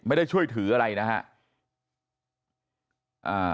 ไม่ได้ช่วยถืออะไรนะฮะ